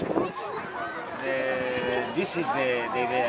kita ingin menang pertandingan